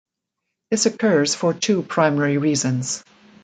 This occurs for two primary reasons.